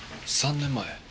３年前？